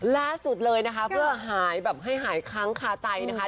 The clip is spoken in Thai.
ล่าสุดเลยนะคะเพื่อหายแบบให้หายค้างคาใจนะคะ